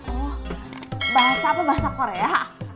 oh bahasa apa bahasa korea